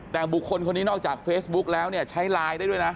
แต่บุคคลคนนี้นอกจากเฟซบุ๊กแล้วเนี่ยใช้ไลน์ได้ด้วยนะ